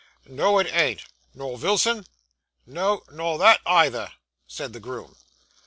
'No, it ain't.' 'Nor Vilson?' 'No; nor that either,' said the groom.